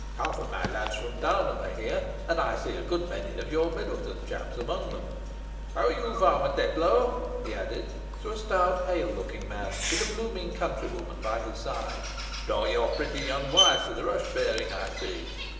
Half my lads from Downham are here, and I see a good many of your Middleton chaps among them. How are you, Farmer Tetlow?" he added to a stout, hale looking man, with a blooming country woman by his side "brought your pretty young wife to the rush bearing, I see."